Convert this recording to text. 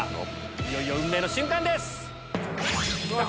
いよいよ運命の瞬間です！